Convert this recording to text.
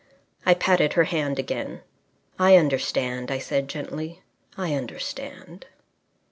I patted her hand again. "I understand," I said gently. "I understand."